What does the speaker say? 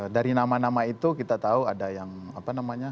dari nama nama itu kita tahu ada yang apa namanya